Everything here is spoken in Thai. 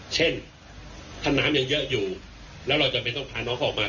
เช่นถ้าน้ำยังเยอะอยู่แล้วเราจำเป็นต้องพาน้องเขาออกมา